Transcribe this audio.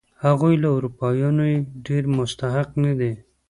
هغوی له اروپایانو یې ډېر مستحق نه دي.